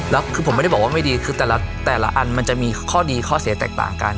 แล้วคือผมไม่ได้บอกว่าไม่ดีคือแต่ละอันมันจะมีข้อดีข้อเสียแตกต่างกัน